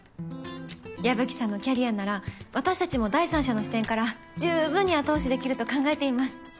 矢吹さんのキャリアなら私たちも第三者の視点から十分に後押しできると考えています。